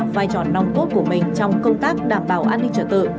vai tròn nong cốt của mình trong công tác đảm bảo an ninh trợ tự